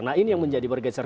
nah ini yang menjadi bergeser